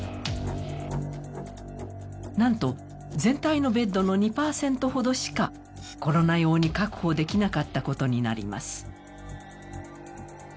なんと全体のベッドの２％ほどしかコロナ用に確保できなかったことになります。